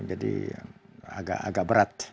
jadi agak berat